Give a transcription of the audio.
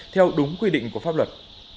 theo đúng quy định của pháp luật